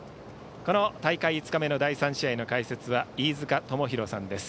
この大会５日目の第３試合の解説は飯塚智広さんです。